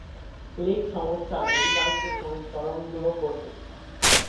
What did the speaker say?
Click সমস্যার অধিকাংশ সংস্করণগুলো কঠিন।